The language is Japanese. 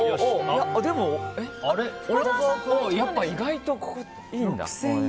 やっぱ意外といいんだ。